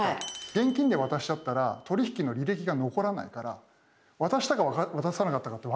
現金で渡しちゃったら取り引きの履歴が残らないから渡したか渡さなかったかって分かんないですよね